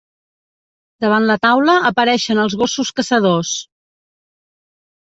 Davant la taula apareixen els gossos caçadors.